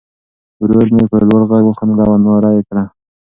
ورور مې په لوړ غږ وخندل او ناره یې کړه.